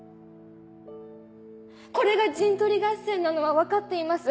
これが陣取り合戦なのは分かっています。